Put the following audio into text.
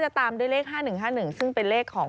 ตามด้วยเลข๕๑๕๑ซึ่งเป็นเลขของ